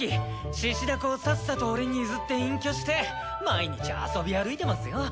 獅子だこをさっさと俺に譲って隠居して毎日遊び歩いてますよ。